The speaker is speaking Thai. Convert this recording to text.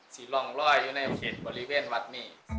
ที่ร่องลอยอยู่ในเขตบริเวณวัดนี้